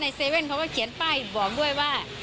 ในเซเว่นเค้าก็เขียนป้ายแบบให้บอกด้วยว่า